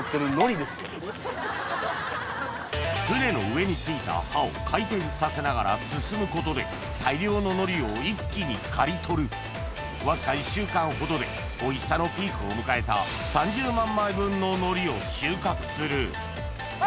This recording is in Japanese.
船の上に付いた刃を回転させながら進むことで大量の海苔を一気に刈り取るわずか１週間ほどでおいしさのピークを迎えた３０万枚分の海苔を収穫するあ！